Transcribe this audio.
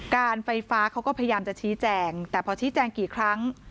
การไฟฟ้าเขาก็พยายามจะชี้แจงแต่พอชี้แจงกี่ครั้ง